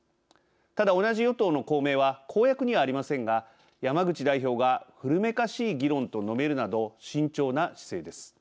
ただ、同じ与党の公明は公約にはありませんが山口代表が古めかしい議論と述べるなど慎重な姿勢です。